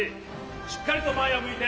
しっかりとまえをむいて。